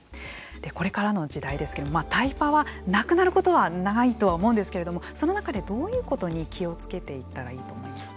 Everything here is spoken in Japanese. でこれからの時代ですけれどタイパはなくなることはないとは思うんですけれどもその中でどういうことに気を付けていったらいいと思いますか？